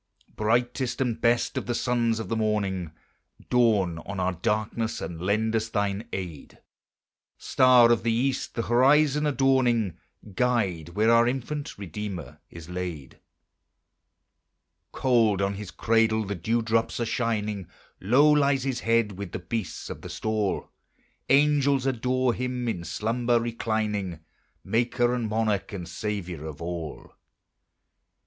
Brightest and best of the sons of the morning, Dawn on our darkness, and lend us thine aid; Star of the East, the horizon adorning, Guide where our infant Redeemer is laid. Cold on his cradle the dew drops are shining, Low lies his head with the beasts of the stall; Angels adore him in slumber reclining, Maker and Monarch and Saviour of all.